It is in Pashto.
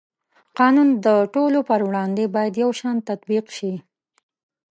قانون د ټولو په وړاندې باید یو شان تطبیق شي.